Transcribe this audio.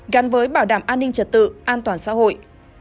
gắn với bảo đảm an ninh trật tự an toàn xã hội